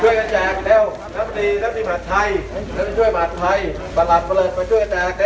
ช่วยกันแจ้งเถ้าน้ำที่ทายช่วยหมัดไพรส์บรรหัสเป็นช่วยแจ้ง